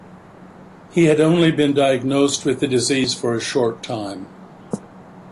He had only been diagnosed with the disease for a short time.